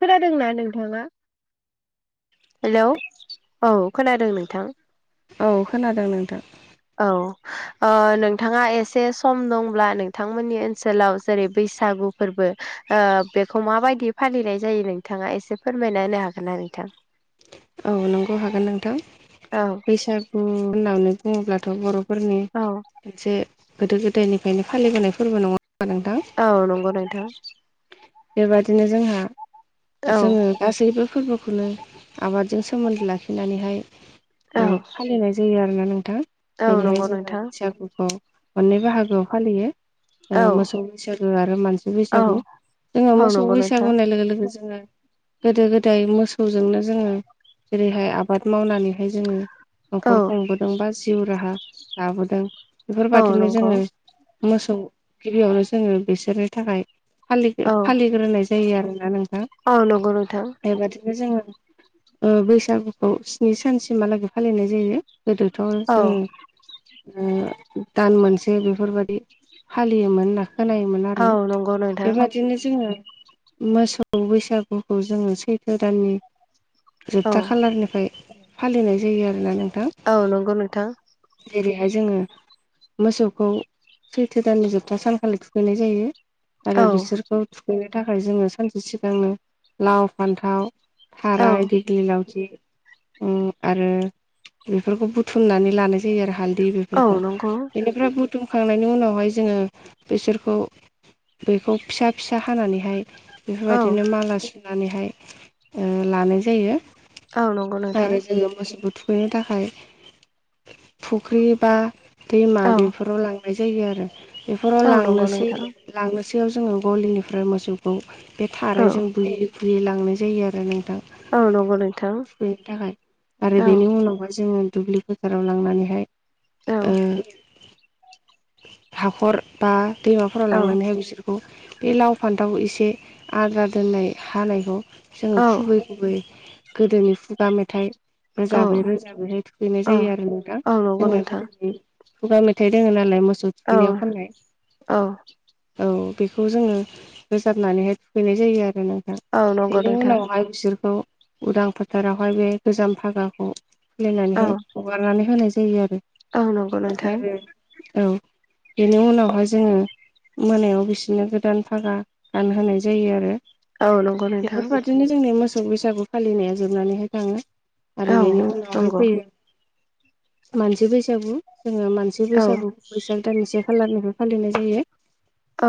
खोनादोंना नोंथाङा हेलौ औ खोनादों नोंथां औ खोनादों नोंथां औ ओ नोंथाङा एसे सम दंब्ला नोंथांमोननि ओनसोलाव जेरै बैसागु फोरबो ओ बेखौ माबायदि फालिनाय जायो नोंथाङा एसे फोरमायना होनो हागोनना नोंथां? औ नंगौ हागोन नोंथां औ बैसागु होननानै बुङोब्लाथ' बर'फोरनि औ मोनसे गोदो गोदायनिफ्रायनो फालिबोनाय फोरबो नङा होमबा नोंथां औ नंगौ नोंथां बेबादिनो जोंहा औ जोङो गासैबो फोरबोखौनो आबादजों सोमोन्दो लाखिनानैहाय औ ओ फालिनाय जायो आरोना नोंथां औ जेरैहाय नंगौ जोंहा नोंथां बैसागुखौ मोननै बाहागोआव फालियो ओ औ मोसौ बैसागु आरो मानसि औ बैसागु जोङो औ मोसौ नंगौ बैसागु नोंथां होननाय लोगो लोगो जोङो गोदो गोदाय मोसौजोंनो जोङो जेरैहाय आबाद मावनानैहाय जोङो औ न'खर खुंबोदों बा जिउ राहा लाबोदों औ बेफोरबादिनो नंगौ जोङो मोसौ गिबियावनो जोङो बिसोरनि थाखाय फालि औ फालिग्रोनाय जायो आरोना नोंथां औ नंगौ नोंथां बेबादिनो जोङो ओ बैसागुखौ स्नि सानसिमहालागै फालिनाय जायो गोदोथ' औ जोङो ओ दान मोनसे बेफोरबायदि फालियोमोन ना खोनायोमोन आरो औ नंगौ नोंथां बेबायदि बिदिनो जोङो मोसौ बैसागुखौ जोङो सैथो दाननि औ जोबथा खालारनिफ्राय फालिनाय जायो आरोना नोंथां। औ नंगौ नोंथां जेरैहाय जोङो मोसौखौ सैथो दाननि जोबथा सानखालि थुखैनाय जायो आरो औ बिसोरखौ थुखैनो थाखाय जोङो सानसे सिगांनो लाव फान्थाव औ थाराय दिगलि लावथि उम आरो बेफोरखौ बुथुमनानै लानाय जायो आरो हालदै बे औ फोरखौ नंगौ बेनिफ्राय बुथुमखांनायनि उनावहाय जोङो बेसोरखौ बेखौ फिसा फिसा हानानैहाय औ बेफोरबायदिनो माला सुनानैहाय ओ लानाय जायो औ नंगौ नोंथां आरो जोङो मोसौखौ थु- खैनो थाखाय फुख्रि बा दैमा औ बेफोराव लां नाय जायो आरो बेफोराव औ नंगौ लांनोसै नोंथां लांनोसैयाव जोङो गलिनिफ्राय मोसौ खौ बे औ थारायजों बुयै बुयै लांनाय जायो आरो नोंथां औ नंगौ नोंथां थुखैनो थाखाय आरो औ बेनि उनावहाय जोङो दुब्लि फोथाराव लांनानैहाय औ ओ हाखर बा दैमाफोराव औ लांनानैहाय बिसोरखौ बे लाव फान्थाव एसे आद्रा दोननाय हानायखौ जोंङो औ खुबै खुबै गोदोनि खुगा मेथाइ औ रोजाबै रोजाबैहाय थुखैनाय औ जायो आरो ना नोंथां औ नंगौ जोंना नोंथां गोदोनि खुगा मेथाइ दङ'नालाय मोसौ औ थुखैनायाव खननाय औ औ बेखौ जोंङो रोजाबनानैहाय थुखैनाय जायो आरो नोंथां। औ नंगौ बेनि नोंथां उनावहाय बिसोरखौ उदां फोथारावहाय बे गोजाम फागाखौ औ खुलिनानैहाय हगारनानै होनाय जायो आरो औ नंगौ नोंथां आरो औ बेनि उनावहाय जोङो मोनायाव बिसोरनो गोदान फागा गानहोनाय जायो आरो औ नं- बेफोरबादिनो जोंनि मोसौ बैसागु फालिनाया जोबनानैहाय थाङो आरो औ बेनि उनावहाय नंगौ फैयो मानसि बैसागु जोङो मानसि सि औ बैसागु बैसाग दाननि से खालारनिफ्राय फालिनाय जायो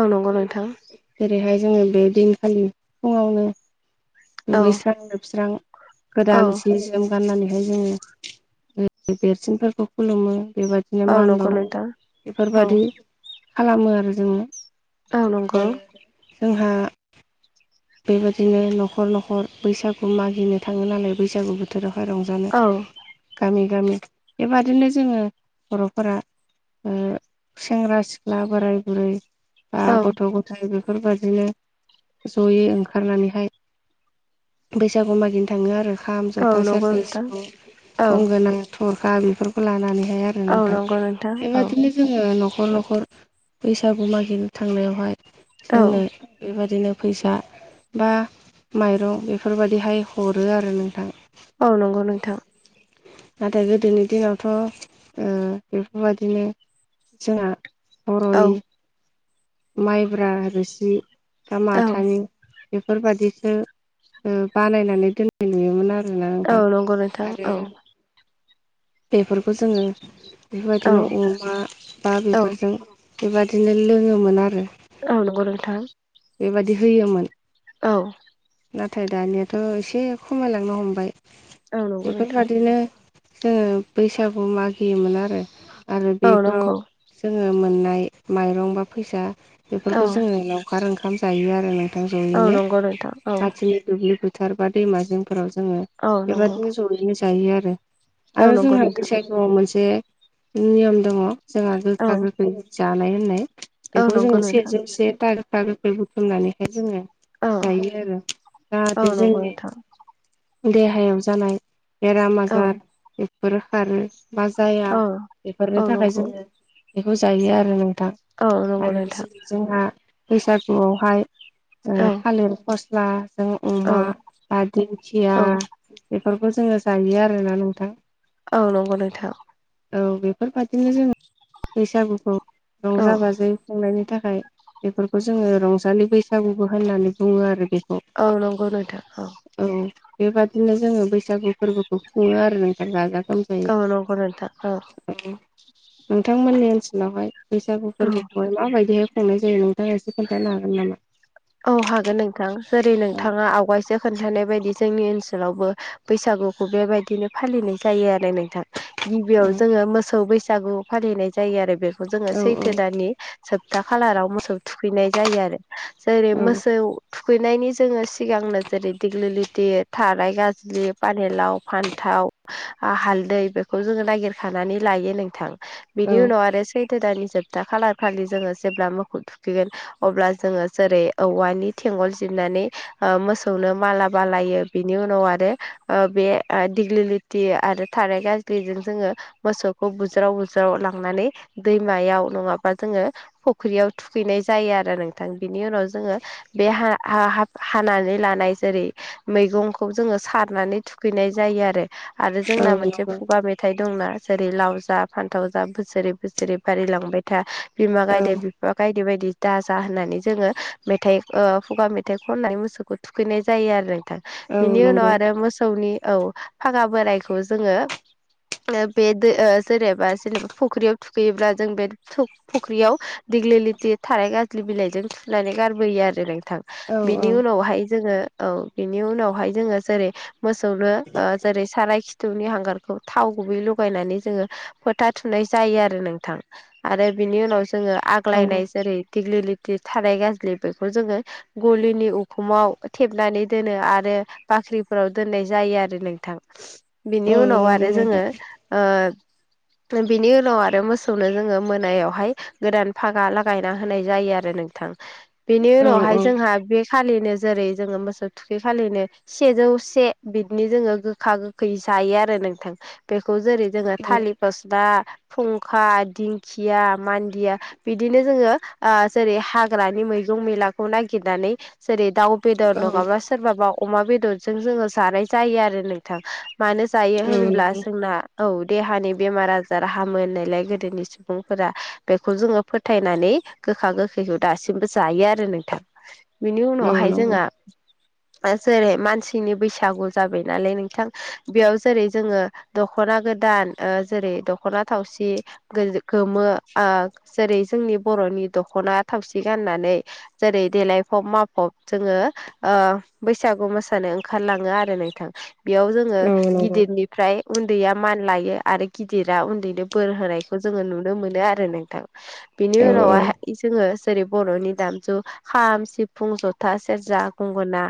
औ नंगौ नोंथां जेरैहाय जोंङो बे दिनखालि फुंङावनो औ दुगैस्रां लोबस्रां औ गोदान सि- जोम गाननानैहाय जोंङो देरसिनफोरखौ खुलुमो बेबायदि बिदिनो औ मान नंगौ बावो नोंथां औ बेफोरबायदि खालामो आरो जोंङो औ नंगौ जोंहा बेबायदिनो न'खर न'खर बैसागु मागिनो थांङो नालाय बैसागु बोथोरावहाय रंजा- जानो औ गामि गामि बेबादिनो जोंङो बर'फोरा ओ सेंग्रा सिख्ला बोराय बुरै बा औ गथ' गथाय बेफोरबायदिनो जयै ओंखारनानैहाय बैसागु मागिनो थांङो आरो खाम औ जथा नंगौ सेरजा नोंथां सिफुं औ गंगोना थरखा बेफोरखौ लानानैहाय थांङो औ नोंथां नंगौ नोंथां औ बेबादिनो जोंङो न'खर न'खर बैसागु मागिनो थांनायावहाय औ जोंनो बेबायदिनो फैसा बा माइरं बेफोरबायदिहाय हरो आरो नोंथां औ नंगौ नोंथां नाथाय गोदोनि दिनावथ' ओ बेफोरबायदिनो जोंहा औ बर'नि माइब्रा रोसि बा औ माथानि बेफोरबायादिखौ बानायनानै दोननाय नुयोमोन आरो ना नोंथां औ नंगौ नोंथां आरो औ बेफोरखौ जोंङो औ बेफोरबायदिनो अमा बा औ बेफोरजों बेबायदिनो लोंङोमोन आरो औ नंगौ नोंथां बेबायदि होयोमोन औ नाथाय दानियाथ' एसे खमायलांनो हमबाय औ नंगौ नोंथां बेफोरबादिनो जोंङो बैसागु मागियोमोन आरो आरो औ बेफोराव नंगौ जोंङो मोननाय माइरं बा फैसा औ बेफोरखौ जोंङो लावखार ओंखाम जायो आरो नोंथां औ जयैनो नंगौ नोंथां औ साखाथिनि दुब्लि फो- फोथार बा दैमा जेंफोराव जोंङो औ नंगौ बेबायदिनो ज'यैनो जायो आरो औ आरो नंगौ जोंहा नोंथां बैसागुआव मोनसे नियम दं जोंहा औ गोखा गोखै जानाय लोंनाय औ बेखौ जोङो नंगौ नोंथां सेरजौ से था गोखा गोखै बुथुमनानैहाय जोंङो औ जायो आरो औ जाहाथे नंगौ जोंनि नोंथां देहायाव जानाय बेराम औ आजार बेफोर खारो बा जाया औ बेफोरनि औ थाखाय नंगौ जोंङो बेखौ जायो आरो नोंथां औ नंगौ आरो नोंथां जेरै जोंहा बैसागुवावहाय औ थालिर फस्ला जों औ अमा बा दिंखिया औ बेफोरखौ जोङो जायो आरोना नोंथां औ नंगौ नोंथां औ बेफोरबादिनो जों बैसागुखौ औ रंजा बाजा जों खुंनायनि थाखाय बेफोरखौ जोङो रंजालि बैसागुबो होननानै बुङो आरो बेखौ औ नंगौ नोंथां औ औ बेबादिनो जोङो बैसागु फोरबोखौ खुङो आरो नोंथां जा- औ नंगौ नोंथां औ नोंथांमोननि ओनसोलावहाय बैसागु औ फोरबो माबायदिहाय खुंनाय जायो नोंथाङा एसे खोन्थानो हागोन नामा औ हागोन नोंथां जेरै औ नोंथांङा आवगायसो खोन्थानाय बायदि जोंनि ओनसोलावबो बैसागुखौ बेबायदिनो फालिनाय जायो आरो नोंथां औ गिबियाव जोंङो मोसौ बैसागु फालिनाय जायो आरो बेखौ जोंङो औ सैथो दानि जोबथा खालाराव मोसौ थुखैनाय जायो आरो जेरै मोसौ थुखैनायनि जोङो सिगांनो जेरै दिगलि लिथि थाराइ गाज्लि पानिलाव फान्थाव ओ हालदै बेखौ जोङो नागिरखानानै लायो नोंथां औ बिनि उनाव आरो सैथो दाननि जोबथा खालार खालि जोङो जेब्ला मोखौ थुखैगोन अब्ला जोङो जेरै औवानि थेंवल जिरनानै ओ मोसौनो माला बानायो बिनि उनाव आरो ओ बे दिग्लि‌ लिथि दि आरो थाराय गाज्लिजों जोङो मोसौखौ बुज्राव बुज्राव लांनानै दैमायाव नङाबा जोङो फुख्रियाव थुखैनाय जायो आरो नोंथां बिनि उनाव जोङो बे हा हा हानानै लानाय जेरै मैगंखौ जोङो सारनानै थुखैनाय जायो आरो आरो औ जोंना मोनसे नंगौ खुगा मेथाइ मिथाइ दंना जेरै लाव जा फान्थाव जा बोसोरै बोसोरै बारिलांबाय था बिमा औ गायदे बायदि बायदि दा जा होननानै जोङो मेथाइ खुगा मेथाइ खननाय मोसौखौ थुखैनाय जायो आरो बिनि औ नंगौ उनाव आरो मोसौनि औ फागा बोरायखौ जोङो बे जेनेबा जेनेबा फख्रियाव थुखैयोब्ला जों बे फुख्रियाव दिेग्लि लिथि थाराइ गाज्लि बिलाइजों थुखैनानै गारबोयो आरो नोंथां औ बिनि उनावहाय जोङो औ बिनि उनावहाय जोङो जेरै मोसौनो ओ जेरै साराय खिथुनि हांगारखौ थाव गुबै लगायनानै जोङो फोथा थुनाय जायो आरो नोंथां आरो बिनि उनाव जोङो नंगौ आग्लायनाय जेरै दिग्लि लि- थाराइ गाज्लि बेखौ जोङो गलिनि उखुमाव थेबनानै दोनो आरो बाख्रिफोराव दोननाय जायो आरो नोंथां बिनि औ उनाव नंगौ आरो जोङो नोंथां ओ बिनि उनाव आरो मोसौनो जोङो मोनायावहाय गोदान फागा लागायना होनाय जायो आरो नोंथां बेनि औ उनावहाय जोंहा बे खालिनो जेरै जोङो मोसौ थुखै खालिनो सेजौ से बिदिनो जोङो गोखा गोखै जायो आरो नोंथां बेखौ जेरै जोङो औ थालिर फस्ला फुंखा दिंखिया मान्दिया बिदिनो जोङो आ जेरै हाग हाग्रानि मैगं मैलाखौ नायिरनानै जेरै दाउ बेदर नङाबा सोरबाबा अमा बेदरजों जोङो जानाय जायो आरो नोंथां मानो जायो औ नंगौ औ नंगौ औ नंगौ औ नोंथां औ नंगौ औ नंगौ होनब्ला नोंथां जोंना औ देहानि बेमार आजार हामोनायलाय गोदोनि सुबुंफोरा बेखौ जोङो फोथायनानै गोखा गोखैखौ दासिमबो जायो आरो नोंथां बिनि उनावहाय जोंहा बा जेरै मानसिनि बैसागु जाबाय नालाय नोंथां बेयाव जेरै जोङो दख'ना गोदान ओ जेरै ओ दख'ना थावसि गोमो ओ जेरै जोंनि बर'नि दख'ना थावसि गाननानै जेरै देलायफब माफब जोङो ओ बैसागु मोसानो ओंखारलाङो आरो नोंथां बेयाव जोङो गिदिरनि ओमफ्राय उन्दैया मान लायो आरो गिदिरा उन्दैनो बोर होनायखौ जोङो नुनो मोनो आरो नोंथां बिदि उनावहाय जोङो जेरै बर'नि दामजु खाम सिफुं जथा सेरजा गंगोना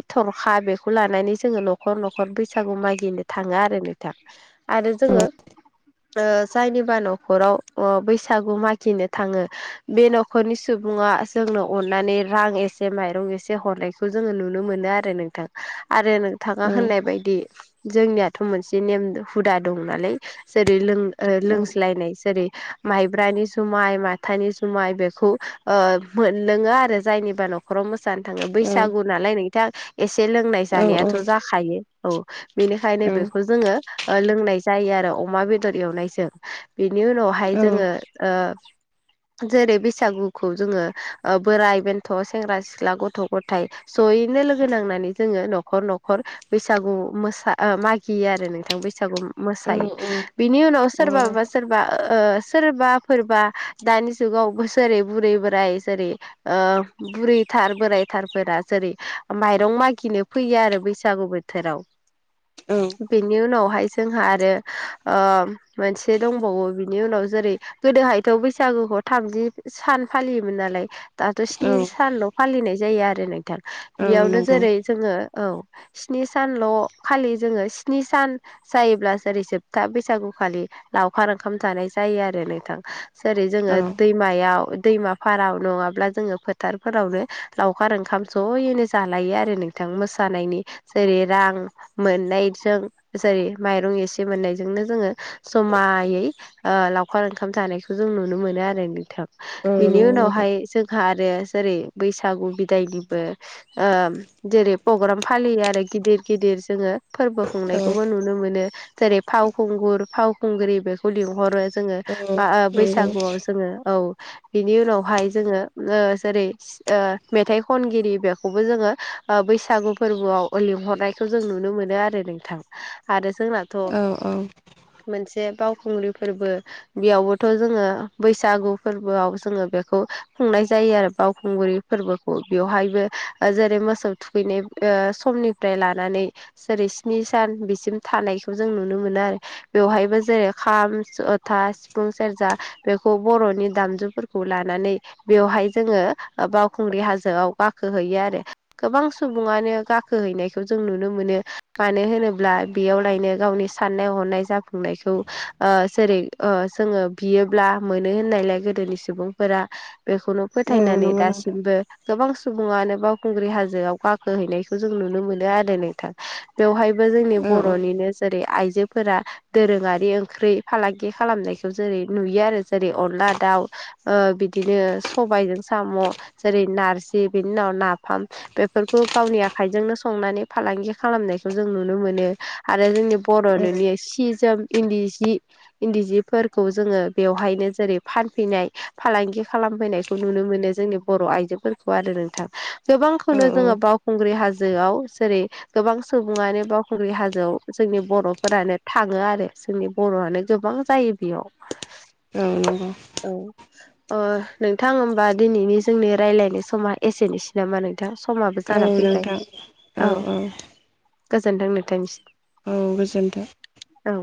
बे थर'खा बेखौ लानानै जोङो न'खर न'खर बैसागु मागदिनो थाङो आरो नोंथां आरो जोङो ओ जायनिबा न'खराव बैसागु मागिनो थाङो बे न'खरनि सुबुङा जोंनो अननानै रां एसे माइरं एसे हरनायखौ जोङो नुनो मोनो आरो नों थां आरोे नों थाङा होननाय बायदि जोंनियाथ' मोनसे नेम हुदा दं नालाय जेरै लों ओ लोंज्लायनाय जेरै माइब्रानि जुमाइ माथानि जु माइ बेखौ ओ न'खराव मोसानो थाङो बैसागु नालाय नोंथां एसे लोंनाय जानायाथ' जाखायो औ बेनिखायनो बेखौ जोङो ओ लोंनाय जायो आरो अमा बेदर एवनायजों बेनि उनावहाय जोङो ओ जेरै बैसागुखौ जोङो बोराइ बेन्थ' सेंग्रा सिख्ला गथ' गथाय ज'यैनो लोगो नांनानै जोङो न'खर न'खर बैसागु मोसा मागियो आरो नोंथां बैसागु मोसायो बिनि उनाव सोरबाबा सोरबा ओ सोरबाफोर बा दानि जुगाव बोसोरै बुरै बोराय जेरै बुरैथार बोरायथारफोरा जेरै माइरं मागिनो फैयो आरो बैसागु बोथोराव बेनि उनावहाय जोंहा आरो ओ मोनसे दंबावो बिनि उनाव जेरै गोदोहायथ' बैसागुखौ थामजि सान फालियोमोन नालाय दाथ' स्नि सानल' फालिनाय जायो आरो नोंथां बेयावनो जेरै जोङो औ स्नि सानल' खालि जोङो स्नि सान जायोब्ला जेरै जोबथा बैसागुखालि लावखार ओंखाम जानाय जायो आरो नोंथां जेरै जोङो दैमायाव दैमा फाराव नङाब्ला जोङो फोथारफोरावनो लावखार ओंखाम ज'यैनो जालायो आरो नोंथां मोसानायनि जेरै रां मोननायजों जेरै माइरं एसे मोननायजोंनो जोङो जमायै आ लावखार ओंखाम जानायखौ जों नुनो मोनो आरो नोंथां बिनि उनावहाय जोंहा आरो जेरै बैसागु बिदायनिबो ओ जेरै प्रग्राम फालियो आरो गिदिर गिदिर जोङो फोरबो खुंनायखौबो नुनो मोनो जेरै फावखुंगुर फावखुंग्रि बेखौ लिंहरो जोङो औ बा औ नंगौ बैसागुआव जोङो औ बिनि उनावहाय जोङो जेरै ओ मेथाइ खनगिरि बेखौबो जोङो बैसागु फोरबोआव लिंहरनाय खौ जों नुनो मोनो आरो नोंथां आरो जोंना औ औ मोनसे बावखुंग्रि फोरबो बेयावबोथ' जोङो बैसागु फोरबोआव जोङो बेखौ खुंनाय जायो आरो बावखुंग्रि फोरबोखौ बेवहायबो जेरै मोसौ थुखैनाय समनिफ्राय लानानै जेरै स्नि सान बिसिम थानायखौ जों नुनो मोनो आरो बेवहायबो जेरै खाम जथा सिफुं सेरजा बेखौ बर'नि दामजुफोरखौ लानानै बेवहाय जोङो बावखुंग्रि हाजोआव गाखोहैयो आरो गोबां सुबुङानो गाखोहैनायखौ जों नुनो मोनो मानो होनोब्ला बेयावलायनो गावनि साननाय हनाय जाफुंनायखौ ओ जेरै ओ जोङो बियोब्ला मोनो होननायलाय गोदोनि सुबुंफोरा बेखौनो औ फोथायनानै नंगौ नोंथां दासिमबो गोबां सुबुङानो बावखुंग्रि हाजोआव गाखोहैनायखौ जों नुनो मोनो आरो नोंथां बेवहायबो जोंनि औ बर'निनो जेरै आइजोफोरा दोरोङारि ओंख्रि फालांगि खालामनायखौ जेरै नुयो आरो जेरै अनला दाउ ओ बिदिनो सबायजों साम' जेरै नारजि बेनि उनाव नाफाम बेफोरखौ गावनि आखाइजोंनो संनानै फालांगि खालामनायखौ जों नुनो मोनो आरो जोंनि औ बर'निनि सि जोम इन्दि सि इन्दि सिफोरखौ जोङो बेवहायनो जेरै फानफैनाय फालांगि खालामफैनायखौ नुनो मोनो जोंनि बर' आइजोफोरखौ आरो नोंथां औ गोबांखौनो जोङो औ बावखुंग्रि हाजोआव जेरै गोबां सुबुङानो बावखुंग्रि हाजोआव जोंनि बर'फोरानो थाङो आरो जोंनि बर'आनो गोबां जायो बेयाव औ नंगौ औ अ नोंथां होमबा दिनैनि जोंनि रायलायनाय समा एसेनोसै नामा नोंथां समाबो औ जाना फैबाय नोंथां औ गोजोनथों नोंथांनिस औ गोजोन्थों औ